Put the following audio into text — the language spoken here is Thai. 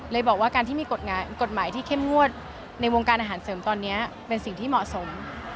บอกว่าการที่มีกฎหมายที่เข้มงวดในวงการอาหารเสริมตอนนี้เป็นสิ่งที่เหมาะสม